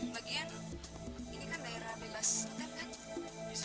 bagian ini kan daerah bebas kan